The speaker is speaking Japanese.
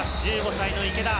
１５歳の池田。